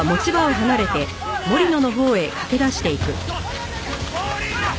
森野！